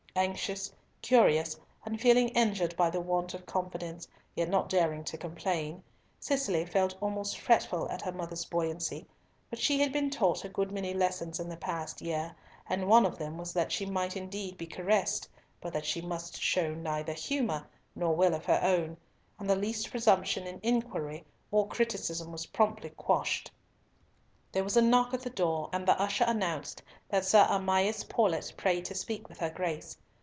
Anxious, curious, and feeling injured by the want of confidence, yet not daring to complain, Cicely felt almost fretful at her mother's buoyancy, but she had been taught a good many lessons in the past year, and one of them was that she might indeed be caressed, but that she must show neither humour nor will of her own, and the least presumption in inquiry or criticism was promptly quashed. There was a knock at the door, and the usher announced that Sir Amias Paulett prayed to speak with her Grace.